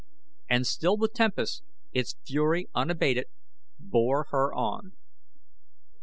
And still the tempest, its fury unabated, bore her on.